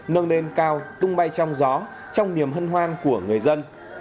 nâng lên cao tung bay trong gió trong niềm hân hoan của người dân